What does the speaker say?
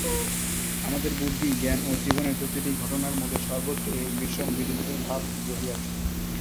আমাদের বুদ্ধি, জ্ঞান ও জীবনের প্রতিটি ঘটনার মধ্যে সর্বত্রই এই বিষম বিরুদ্ধভাব রহিয়াছে।